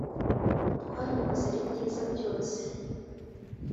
twabikoze ari byiza byose